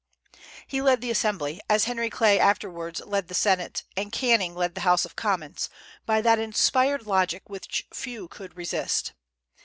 He led the Assembly, as Henry Clay afterwards led the Senate, and Canning led the House of Commons, by that inspired logic which few could resist.